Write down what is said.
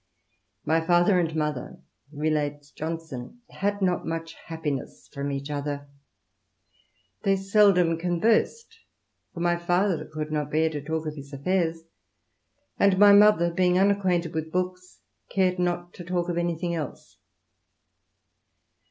"My father and mother," relates Johnson, had not much happiness firom each other. They seldom conversed, for my father could not bear to talk of his affairs; and my mother, being unacquainted with books^ cared not to talk of anything else.